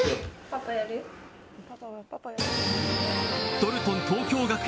ドルトン東京学園